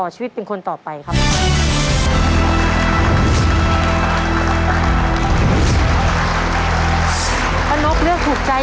กินไปได้